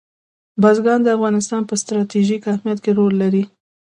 بزګان د افغانستان په ستراتیژیک اهمیت کې رول لري.